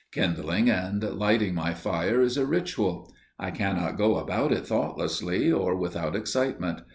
Kindling and lighting my fire is a ritual. I cannot go about it thoughtlessly or without excitement.